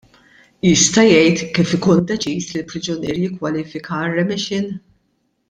Jista' jgħid kif ikun deċiż li priġunier jikkwalifika għar-remission?